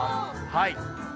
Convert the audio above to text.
はい。